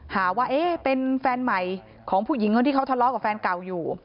หาว่าเป็นแฟนใหม่ของผู้หญิงคนที่เขาทะเลาะกับแฟนเก่าอยู่